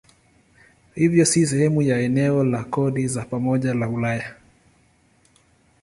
Hivyo si sehemu ya eneo la kodi za pamoja la Ulaya.